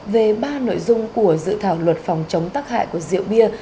về ba nội dung của dự thảo luật phòng chống tắc hại của rượu bia